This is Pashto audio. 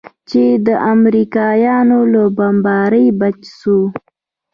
چې د امريکايانو له بمبارۍ بچ سو.